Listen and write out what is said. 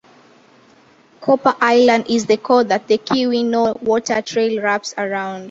Copper island is the core that the Keweenaw Water Trail wraps around.